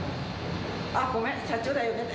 あっ、ごめん、社長だよねって。